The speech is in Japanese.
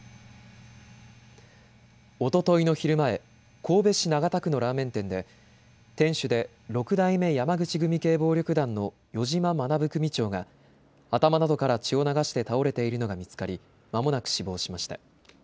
おとといの昼前、神戸市長田区のラーメン店で店主で六代目山口組系暴力団の余嶋学組長が頭などから血を流して倒れているのが見つかり、まもなく死亡しました。